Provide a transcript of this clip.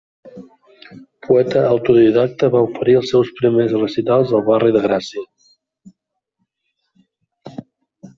Poeta autodidacta, va oferir els seus primers recitals al barri de Gràcia.